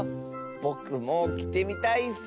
ぼくもきてみたいッス。